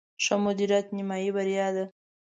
ښه مدیریت، نیمایي بریا ده